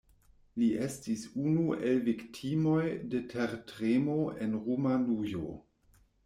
Li estis unu el viktimoj de tertremo en Rumanujo.